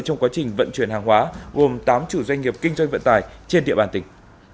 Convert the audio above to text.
trong quá trình vận chuyển hàng hóa gồm tám chủ doanh nghiệp kinh doanh vận tải trên địa bàn tỉnh